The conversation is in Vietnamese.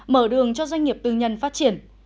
mở đường cho doanh nghiệp tư nhân phát triển